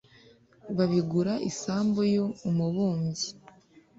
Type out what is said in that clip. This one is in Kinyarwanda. babigura isambu y umubumbyi